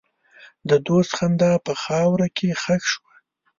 د دوست خندا په خاوره کې ښخ شوه.